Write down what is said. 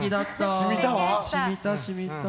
しみたしみた。